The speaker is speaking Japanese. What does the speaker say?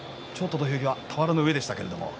土俵際、俵の上でした。